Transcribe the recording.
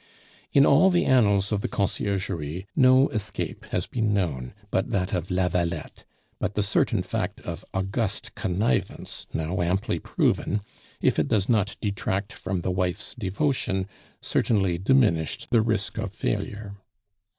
In all the annals of the Conciergerie no escape has been known but that of Lavalette; but the certain fact of august connivance, now amply proven, if it does not detract from the wife's devotion, certainly diminished the risk of failure.